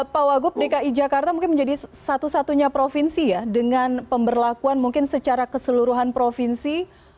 pak wagub dki jakarta mungkin menjadi satu satunya provinsi ya dengan pemberlakuan mungkin secara keseluruhan provinsi